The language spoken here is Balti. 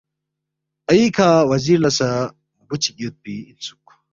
اَہیکھہ وزیر لہ سہ بُو چِک یودپی اِنسُوک